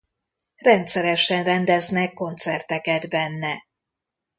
Rendszeresen rendeznek koncerteket benne.